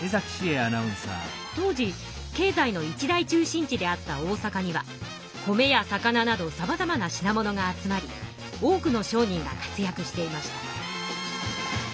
当時経ざいの一大中心地であった大阪には米や魚などさまざまな品物が集まり多くの商人が活やくしていました。